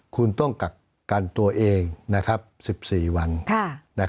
คุณต้องกักกันตัวเอง๑๔วัน